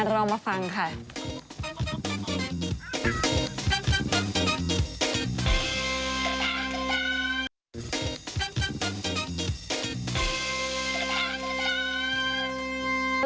นี่เป็นสัมภาษณ์ผู้ชายเหรอ